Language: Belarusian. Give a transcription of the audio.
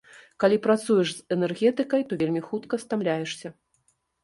Калі працуеш з энергетыкай, то вельмі хутка стамляешся.